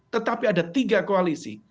tetapi ada tiga koalisi